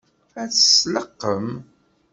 Ad tt-tleqqem?